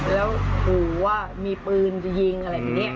แล้วขู่ว่ามีปืนจะยิงอะไรแบบนี้